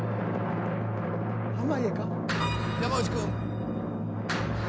濱家か？